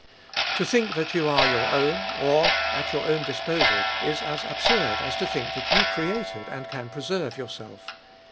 To think that you are your own, or at your own disposal, is as absurd as to think that you created, and can preserve yourself.